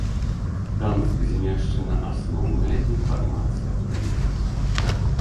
Там змешчана асноўная інфармацыя пра іх.